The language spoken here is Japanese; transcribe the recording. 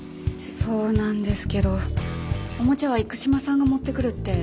そうなんですけどおもちゃは生島さんが持ってくるって。